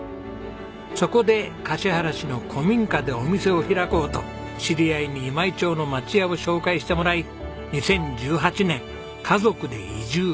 そこで橿原市の古民家でお店を開こうと知り合いに今井町の町家を紹介してもらい２０１８年家族で移住。